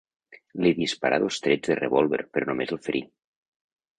Li disparà dos trets de revòlver però només el ferí.